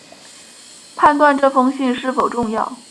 判断这封信是否重要